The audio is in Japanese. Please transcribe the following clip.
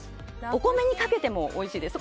お米にかけてもおいしいです。